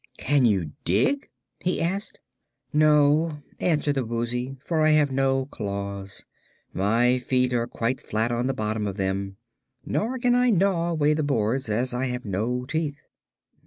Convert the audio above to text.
"Can you dig?" he asked. "No," answered the Woozy, "for I have no claws. My feet are quite flat on the bottom of them. Nor can I gnaw away the boards, as I have no teeth."